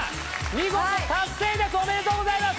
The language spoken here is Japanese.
見事達成ですおめでとうございます！